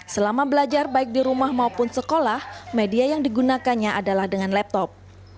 selama belajar baik di rumah maupun sekolah media yang digunakannya adalah dengan laptop